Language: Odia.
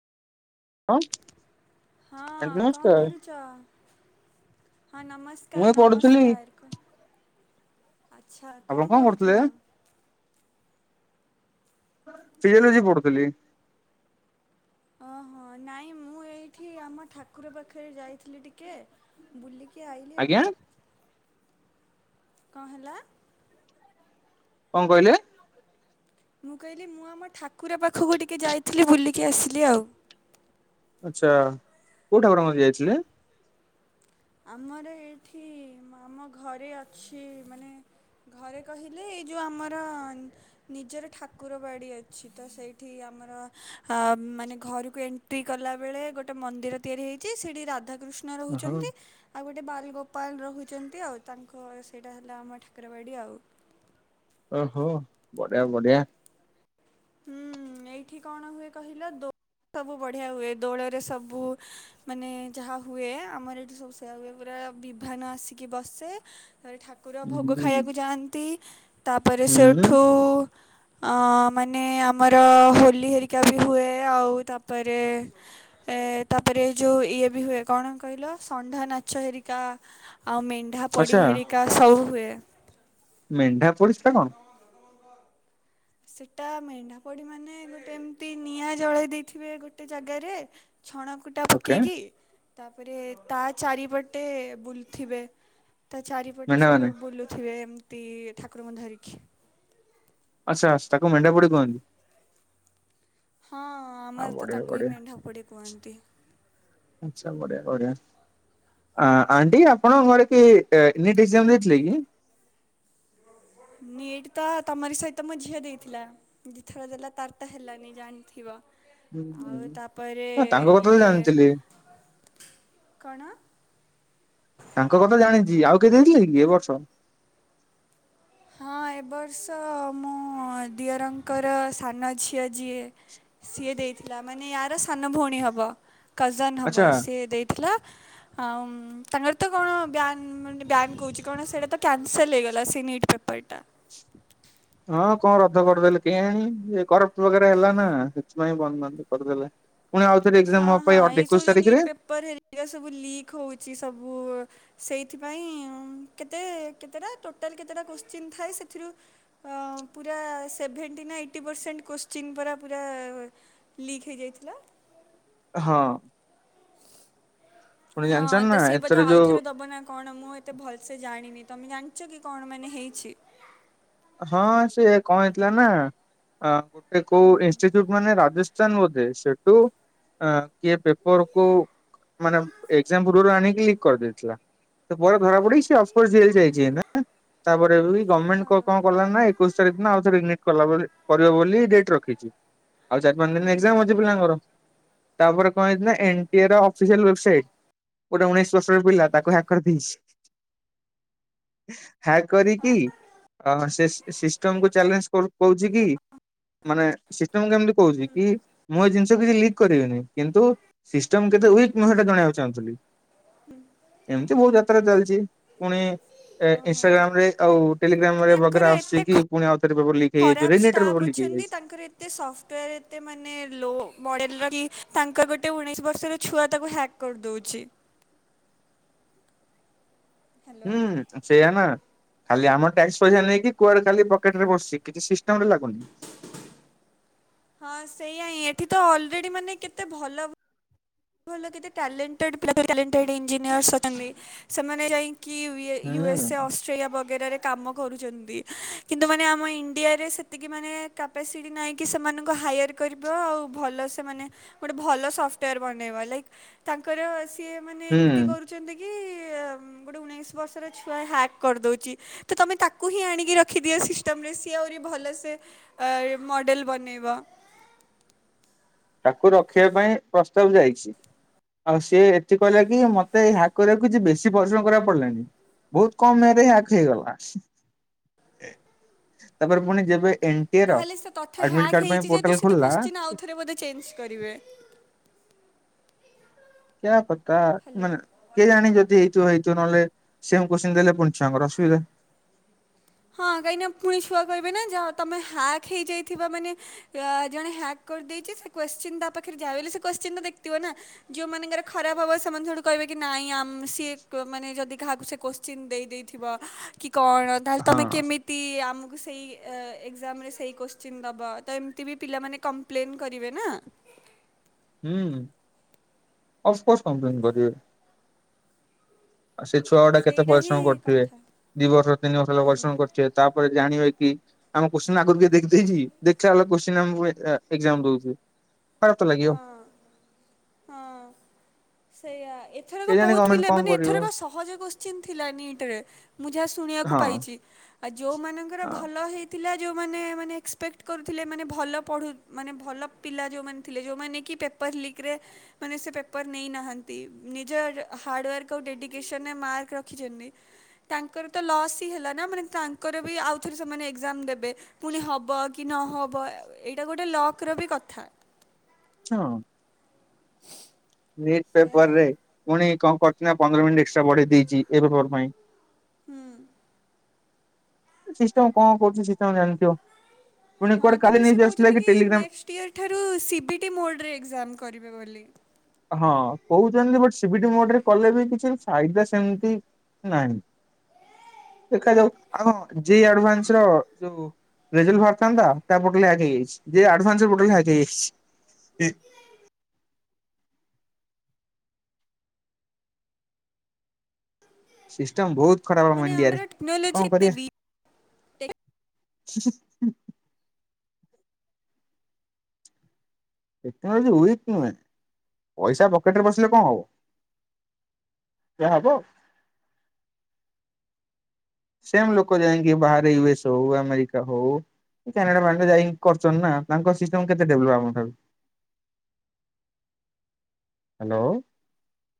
[inaudible] ଆଣ୍ଟି ହଁ କଣ ନମସ୍କାର କରୁଚ ହଁ ନମସ୍ ମୁଁ ଏ ନମସ୍କାର୍ ପଢୁଥିଲି -ନମସ୍କାର୍ ଆଚ୍ଛା ଆପଣ କଣ କରୁଥିଲେ ପଢୁଥିଲ? ଫିଜିଓଲୋଜି ପଢୁଥିଲି। ଓହୋ ନାଇଁ ମୁଁ ଏଇଠି ଆମ ଠାକୁର ପାଖେରେ ଯାଇଥିଲି ଟିକେ। ବୁଲିକି ଆଇଲି ଆଉ। ଆଜ୍ଞା କଣ୍ ହେଲା? କଣ୍ କହିଲେ? ମୁଁ କହିଲି ମୁଁ ଆମ ଠାକୁର ପାଖକୁ ଟିକେ ଯାଇଥିଲି ବୁଲିକି ଆସିଲି ଆଉ। ଆଚ୍ଛା କଉ ଠାକୁରଙ୍କ ଠିକି ଯାଇଥିଲେ? ଆମର ଏଇଠି ଆମ ଘରେ ଅଛି ମାନେ ଘରେ କହିଲେ, ଏଇ ଯଉ ଆମର ନିଜର ଠାକୁର ବାଡି ଅଛି, ତ ସେଇଠି ଆମର ଅ ମାନେ ଘରକୁ ଏ ଏଣ୍ଟ୍ରି କଲା ବେଳେ ଗୋଟେ ମନ୍ଦିର ତିଆରି ହେଇଚି, ସେଠି ରାଧାକୃଷ୍ଣ ଓହୋ ରହୁଚନ୍ତି ଆଉ ଗୋଟେ ବାଲଗୋପାଲ ରହୁଚନ୍ତି ଆଉ, ତାଙ୍କ ସେଇଟା ହେଲା ଆମ ଠାକୁରବାଡ଼ି ଆଉ। ଓହୋ, ବଢିଆ ବଢିଆ। ହୁଁ, ଏଇଠି କଣ ହୁଏ କହିଲ, ଦୋଳ ସବୁ ବଢ଼ିଆ ହୁଏ, ଦୋଳରେ ସବୁ ମାନେ ଯାହା ହୁଏ, ଆମର ଏଇଠି ସବୁ ସେୟା ହୁଏ, ପୁରା ବିଭନ ଆସିକି ବସେ ତାପରେ ଠାକୁ ଠାକୁର ଭୋଗ ହୁଁ ଖାଇବାକୁ ଯାଆନ୍ତି, ତାପରେ ହୁଁ ସେଇଠୁ, ଅଁ ମାନେ ଆମର ହୋଲି ହେରିକା ବି ହୁଏ, ଆଉ ତାପରେ ଏ ତାପରେ ଯୋଉ ଇଏ ବି ହୁଏ, କଣ କହିଲ? ଷଣ୍ଢ ନାଚ ହେରିକା ଆଉ ମେଣ୍ଢା ପୋଡି ଆଚ୍ଛା ହେରିକା ସବୁ ହୁଏ। ମେଣ୍ଢା ପୋଡି ସେଟା କଣ? ସେଟା ମେଣ୍ଢା ପଡ଼ି ମାନେ, ଗୋଟେ ଏମିତି ନିଆଁ ଜଳାଇ ଦେଇଥିବେ ଗୋଟେ ଜାଗାରେ ଛଣ କୁଟା ଓକେ ପକେଇକି, ତାପରେ ତା ଚାରିପଟେ ବୁଲଥିବେ ତା ଚାରିପଟେ ମେଣ୍ଢା ମାନେ ସବୁ ବୁଲୁଥିବେ ଏମିତି ଠାକୁରଙ୍କୁ ଧରିକି। ଆଛା, ତାକୁ ମେଣ୍ଢା ପୋଡି କୁହନ୍ତି। ହଁ, ଆଉ ଆମର ତ ବଢିଆ ତାକୁ ହିଁ ବଢିଆ ମେଣ୍ଢା ପଡ଼ି କୁହନ୍ତି। ଆଛା, ବଢ଼ିଆ ବଢ଼ିଆ। ଆଣ୍ଟି, ଆପଣଙ୍କ ଘରେ କିଏ ନିଟ ଏକ୍ଜାମ ଦେଇଥିଲେ କି? ନିଟ ତ, ତମରି ସହିତ ମୋ ଝିଅ ଦେଇଥିଲା। ଦିଥର ଦେଲା, ତାର ତ ହେଲାନି, ଜାଣିଥିବ? ହୁଁ ଆଉ ହୁଁ, ତାପରେ ତାଙ୍କ କଥା ତ ଇଏ ଜାଣିଥିଲି। କଣ? ତାଙ୍କ କଥା ଜାଣିଚି, ଆଉ କିଏ ଦେଇଥିଲେ କି ଏ ବର୍ଷ? ହଁ, ଏବର୍ଷ, ମୁଁ ଦିଅରଙ୍କର ସାନ ଝିଅ ଯିଏ ସିଏ ଦେଇଥିଲା, ମାନେ ୟାର ସାନ ଭଉଣୀ ହେବ, କଜନ ହେବ, ଆଚ୍ଛା ସିଏ ଦେଇଥିଲା ହଉ, ତାଙ୍କର ତ କଣ ବ୍ୟାନ, ମାନେ ବ୍ୟାନ୍ କହୁଚି, କଣ ସେଇଟା ତ କ୍ୟାନସଲ୍ ହେଇଗଲା, ସେ ନିଟ ପେପର ପଇଟା ହଁ, କଣ ରଧ କରିଦେଲେ କେଁ, କରପଟ ବରେ ହେଲା ନା। ନାଇଁ, ବନ୍ଦବାନ୍ଦ କରିଦେଲେ, ପୁଣି ଆଉ ଥରେ ଏକ୍ଜାମ ହବ ପା, ଏଇ ଏକୋଇଶି ତାରିଖରେ? ଏ ସବୁ ଲିକ ହଉଚି, ସବୁ ସେଇଥିପାଇଁ, କେତେ, କେତେଟା ଟୋଟାଲ କେତେଟା କଶ୍ଚିନ୍ ଥାଏ, ସେଥିରୁ ପୁରା ସେଭେଣ୍ଟି ନା, ଏଇଟି ପରସେଣ୍ଟ କ୍ୱୋଶ୍ଚିନ୍ ପରା ପୁରା ଲିକ୍ ହେଇଯାଇଥିଲା ହଁ। ପୁଣି ହଁ, ଜାଣିଛ ତ ନା ସେ ଏଥର ବୋଧେ ଆଉ ଯୋଉ ଥରେ ଦବନା କଣ ମୁଁ ଏତେ ଭଲସେ ଜାଣିନି, ତମେ ଜାଣିଛ କି? କଣ ମାନେ ହେଇଚି? ହଁ, ସିଏ କଣ ହେଇଥିଲା ନା, ଗୋଟେ କୋଉ ଇନସଚୁଟ ମାନେ ରାଜ [unintelligible] ସେଠୁ କିଏ ପେପରକୁୁ ମାନେ, ଏଜାମ ପୂର୍ବରୁ ଆଣିକି, ଲିକ୍ କରିଦେଇଥିଲା। ସେ ପରେ ଧରା ପଡ଼ିକି, ଅଫକୋ ଜେଲ ଯାଇଚି ଏଇନା, ତାପରେ ଗଭର୍ଣମେଣ୍ଟ କଣ କଲା ନାଁ ଏକୋଇଶ ତାରିଖ ଦିନ, ଆଉ ଥରେ ନିଟ କରିବ ବୋଲି ଡେଟ୍ ରଖିଚି। ଆଉ ଚାରି ପାଞ୍ଚ ଦିନ ଏକଜାମ ଅଛି ପିଲାଙ୍କର, ତାପରେ କଣ ହେଇଚି ନା ଏନ ଟି ଏ ର [unintelligible] ଗୋଟେ ଉଣେଇଶି ବର୍ଷର ପିଲା ତାକୁ ହ୍ୟାକ କରିଦେଇଛି। ହ୍ୟାକ କରିକି ଅ ସେ ସି ସିଷ୍ଟମ କୁ ଚ୍ୟାଲେଞ୍ଜ କରୁ କହୁଛି କି ମାନେ ସିଷ୍ଟମ କେମତି କହୁଛି କି ମୁଁ ଏ ଜିନିଷ କେହି ଲିକ କରିବେନି କିନ୍ତୁ ସିଷ୍ଟମ କେତେ ୱିକ ମୁଁ ସେଟା ଜଣେଇବାକୁ ଚାହୁଁଥିଲି ଏମିତି ବହୁତ କ ସାରା ଚାଲିଛି ପୁଣି ଏ ଇଷ୍ଟାଗ୍ରାମ ରେ ଆଉ ଟେଲି ମାନେ ବଗରା ତାଙ୍କର ଏତେ ଆସୁଛିକି ଖ ପୁଣି ଆଉଥରେ ପେପର ଲିଖ ହେଇଯାଇଛି ଖରାପ ଷ୍ଟାଫ୍ [unintelligible] ଅଛନ୍ତି ହେଇଯାଇଛି। ତାଙ୍କର ଏତେ ସପ୍ଟର ଏତେ ମାନେ ଲୋ ମଡେଲର କି ତାଙ୍କ ଗୋଟେ ଉଣେଇ ବର୍ଷର ଛୁଆ ତାକୁ ହ୍ୟାକ୍ କରିଦଉଛି। ହ୍ୟାଲୋ। ହୁଁ। ସେଇୟା ନା ଖାଲି ଆମ ଟ୍ୟାକ୍ସ ପଇସା ନେଇକି କୁଆଡେ ଖାଲି ପକେଟ ରେ ବସିଛି କିଛି ସିଷ୍ଟମ ରେ ଲାଗୁନି। ହଁ ସେଇଆ ହିଁ ଏଠି ତ ଅଲରେଡି ମାନେ କେତେ ଭଲ ଭଲ କେତେ ଟ୍ୟାଲେଣ୍ଟେଡ ପିଲା ଟ୍ୟାଲେଣ୍ଟେଡ ଇଞ୍ଜିନିୟର୍ସ ଅଛନ୍ତି ସେମାନେ ଯାଇ କି ୟୁଏ ୟୁଏସ ହୁଁ ଅସ ଅଷ୍ଟ୍ରେୟା ବଗେରାରେ କାମ କରୁଛନ୍ତି କିନ୍ତୁ ମାନେ ଆମ ଇଣ୍ଡିଆରେ ସେତିକି ମାନେ କପାସିଟି ନାଇଁକି ସେମାନଙ୍କୁ ହାୟାର କରିବା ଆଉ ଭଲ ସେମାନେ ଗୋଟେ ଭଲ ସଫ୍ଟାର ବନେଇବା ଲେଗ ତାଙ୍କର ସିଏ ମାନେ ହୁଁ। ଏମିତି କରୁ ଛନ୍ତି କି ଗୋଟେ ଉଣେଇଶି ବର୍ଷର ଛୁଆ ହ୍ୟାକ୍ କରିଦଉଛି। ତ ତମେ ତାକୁ ହିଁ ଆଣିକି ରଖିଦିଅ ସିଷ୍ଟମ ରେ ସିଏ ଆହୁରି ଭଲସେ ଆ ଏ ମଡ଼େଲ ବନେଇବ। ତାକୁ ରଖିବା ପାଇଁ ପ୍ରସ୍ତାବ ଯାଇଛି। ଆଉ ସିଏ ଏତେ କହିଲା କି ମତେ ହ୍ୟାକ୍ କରିବାକୁ କିଛି ବେଶୀ ପରିଶ୍ରମ କରିବାକୁ ପଡିଲାନି। ବହୁତ କମ ୟେରେ ହ୍ୟାକ ହେଇଗଲା। ଏ ତାପରେ ପୁଣି ଯେବେ ଏ ତାହେଲେ ସେ ତଥ୍ୟ ହ୍ୟାକ୍ ହେଇଛି ଯେହେତୁ ସେ ତ ଖୋଲିଲା କୋଶ୍ଚିନ ଆଉଥରେ ବୋଧେ ଚେଞ୍ଜ କରିବେ। କ୍ୟା ପତା ହ୍ୟାଲୋ ମାନେ କେଜାଣି ଯଦି ହେଇଥିବ ହେଇଥିବ ନହେଲେ ସେ ଆମକୁ କୋଶ୍ଚିନ ଦେଲେ ପୁଣି ଛୁଆଙ୍କର ଅସୁବିଧା। ହଁ କାହିଁକିନା ପୁଣି ଛୁଆ କହିବେ ନା ଯାହା ତମେ ହ୍ୟାକ୍ ହେଇଯାଇଥିବା ମାନେ ୟା ଜଣେ ହ୍ୟାକ୍ କରିଦେଇଛି ସେ କୋଶ୍ଚିନ୍ ତା ପାଖରେ ଯାହାବିଲେ ସେ କୋଶ୍ଚିନ ତ ଦେଖିଥିବ ନା? ଯଉ ମାନଙ୍କର ଖରାପ ହବ ସେମାନେ ସଠୁ କହିବେ କି ନାଇଁ ଆମ ସିଏ କ ମାନେ ଯଦି କାହାକୁ ସେ କୋଶ ଶ୍ଚିନ ଦେଇଥିବ କି କଣ ତାହେଲେ ହଁ ତମେ କେମିତି ଟି ଆମକୁ ସେଇ ଏ ଏକ୍ଜାମରେ ସେଇ କୋଶ୍ଚିନ୍ ଦେବା ତ ଏମିତି ବି ପିଲାମାନେ କମ୍ ପ୍ଲେନ୍ କରିବେ ନା? ହୁଁ। ଅଫକୋର୍ସ କମ୍ପ୍ଲେନ୍ କରିବେ। ଆଉ ସେ ଛୁଆ ଗୁଡା କେତେ ସେଇଟା ହିଁ ପରିଶ୍ରମ କରିଥିବେ କଥା ଦି ବର୍ଷ ତିନି ବର୍ଷ ହେଲା ହୁଁ ପରିଶ୍ରମ କରି ଥିବେ ତାପରେ ଜାଣିବେ କି ଆମ କୋଶ୍ଚିନ ଆଗରୁ ଦେ ଦେ ଦେଇଛି ଦେଖିଲା ଅଳକୁ କୋଶ୍ଚିନ ଆମକୁ ଏଏ ଏଜ୍ଜାମ୍ ଦଉଛି। ଖରାତ ଲାଗିିବ। ହଁ ହଁ ସେଇଆ ଏ ଏଥରକ କେଜାଣି ବହୁତ ଗଭର୍ଣମେଣ୍ଟ ପିଲା କଣ ମାନେ କରିବ ଏଥରକ ସହଜ କୋଶ୍ଚିନ୍ ଥିଲା ନିଟ୍ ରେ ମୁଁ ଯାହା ଶୁଣିବାକୁ ହଁ ପାଇଛି। ଆଉ ଯୋଉମାନଙ୍କର ଭଲ ହେଇ ଥିଲା ଯୋଉଁମାନେ ମାନେ ଏକ୍ସପେକ୍ଟ କରୁଥିଲେ ମାନେ ଭଲ ପଢ଼ୁ ମାନେ ଭଲ ପିଲା ଯେଉଁମାନ ଥିଲେ ଯୋଉମାନେ କି ପେପର୍ ଲିକ୍ରେ ମାନେ ସେ ପେପର ନେଇନାହାଁନ୍ତି ନିଜର ହାଡୱାର୍କ ଆଉ ଡେଡିକେସନରେ ମାର୍କ ରଖିଛନ୍ତି। ତାଙ୍କର ତ ଲସ୍ ହିଁ ହେଲା ନା ମାନେ ତାଙ୍କର ବି ଆଉଥରେ ସେମାନେ ଏଗଜାମ ଦେବେ। ପୁଣି ହବ କି ନହବ ଏଇଟା ଗୋଟେ ଲକର ବି କଥା। ଚ ଅଁ। ନିଟ୍ ସେଇଆ ପେପର ରେ ପୁଣି କଣ କରଛି ନା ପନ୍ଦର ମିନିଟ୍ ଏକ୍ସଟ୍ରା ବଢେଇ ଦେଇଛି ଏ ପେପର ପାଇଁ। ହୁଁ। ସିଷ୍ଟମ କଣ କରୁଛି ସିଷ୍ଟମ ଜାଣିଥିବ ପୁଣି କୁଆଡେ କାଲି ନେଇକି ଆସିଥିଲା କି ଟେଲିଗ୍ରାମ କିୟରଠାରୁ ସିବି ଟି ମୋଡ଼ରେ ଏକ୍ଜାମ କରିବେ ବୋଲି ହଁ କହୁଛନ୍ତି ବଟ ସିିବଟି ମୋଡରେ କଲେ ବି କିଛି ଫାଇଦା ସେମତି ନାଇଁ ଦେଖାଯାଉ ଆ ହଁ ଜି ଆଡଭାନ୍ସ ର ଯୋଉ ରେଜଲ୍ ବାହାରିଥାନ୍ତା ତା ପୋଟଲ ହ୍ୟାକ ହେଇଯାଇଛି ଯେ ଆଡ଼ଭାନ୍ସ ପୋଟଲ ହ୍ୟାକ ହେଇଯାଇଛି। ସିଷ୍ଟମ ବହୁତ ଖରାପ ହେବ ଆମ ମାନେ ଆମର ଇଣ୍ଡିଆରେ କଣ ଟେକ୍ନୋଲୋଜି କରିବା ଏତେ ହୁଁହୁଁ ଟେକ୍ନୋଲୋଜି ୱିକ୍ ନୁହେଁ ପଇସା ପକେଟରେ ପସିଲେ କଣ ହବ। ଯା ହବ। ସେମ ଲୋକ ଯାଇଙ୍କି ବାହାରେ ୟୁଏସ ହଉ ଆମେରିକା ହଉ କାନେଡାନା ବ୍ୟାଙ୍କରେ ଯାଇିକି କରୁଛନ୍ତି ନା ତାଙ୍କ ସିଷ୍ଟମ କେତେ ଡେଭଲପ ଆମ ଠାରୁ। ହ୍ୟାଲୋ।